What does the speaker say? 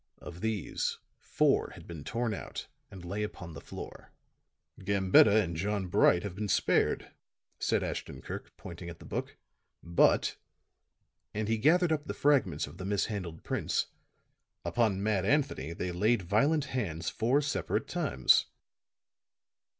Of these, four had been torn out and lay upon the floor. "Gambetta and John Bright have been spared," said Ashton Kirk, pointing at the book, "but," and he gathered up the fragments of the mishandled prints, "upon Mad Anthony they laid violent hands four separate times."